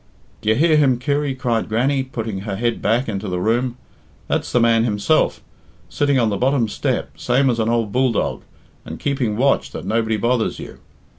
"D'ye hear him, Kirry?" cried Grannie, putting her head back into the room. "That's the man himself. Sitting on the bottom step same as an ould bulldog, and keeping watch that nobody bothers you.